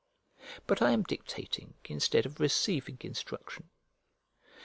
But I am dictating instead of receiving instruction.